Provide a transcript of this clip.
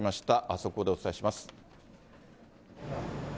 速報でお伝えします。